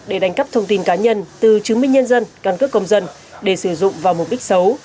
để đánh cắp thông tin cá nhân từ chứng minh nhân dân căn cước công dân để sử dụng vào mục đích xấu